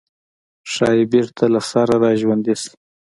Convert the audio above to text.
ښايي بېرته له سره راژوندي شي.